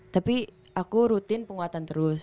tapi aku rutin penguatan terus